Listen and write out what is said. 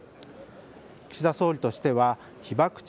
岸田総理としては被爆地